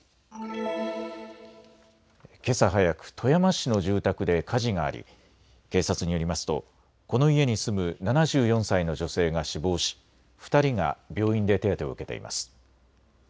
けさ早く、富山市の住宅で火事があり警察によりますとこの家に住む７４歳の女性が死亡し２人が病院で手当てを受けています。